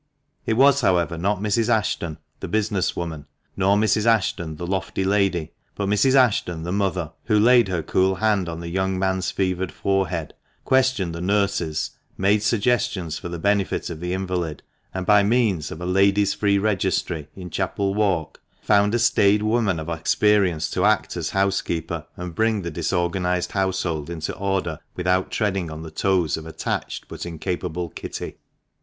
It was, however, not Mrs. Ashton the business woman, not Mrs. Ashton the lofty lady, but Mrs. Ashton the mother who laid her cool hand on the young man's fevered forehead, questioned the nurses, made suggestions for the benefit of the invalid, and by means of a " Ladies' Free Registry " in Chapel Walk, found a staid woman of experience to act as housekeeper and bring the disorganised household into order without treading on the toes of attached but incapable Kitty.